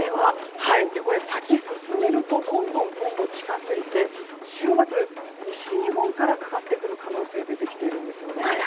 これ、先に進めるとどんどん近づいて週末、西日本からかかってくる可能性が出てきているんです。